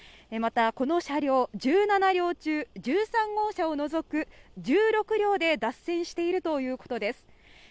またこの車両１７両中１３号車を除く１６両で脱線しているということです。